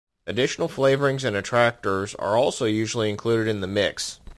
Additional flavourings and attractors are also usually included in the mix.